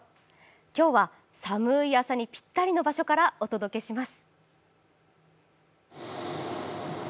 今日は寒い朝にぴったりの場所からお届けします。